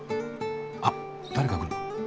あっ誰か来る。